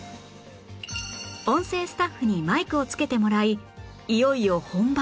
音声スタッフにマイクをつけてもらいいよいよ本番